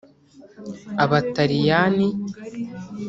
Abataliyani